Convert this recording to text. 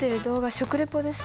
食レポですか？